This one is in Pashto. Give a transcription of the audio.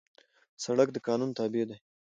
سړک د قانون تابع دی.